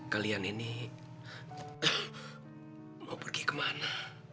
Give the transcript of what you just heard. kalian ini mau pergi ke mana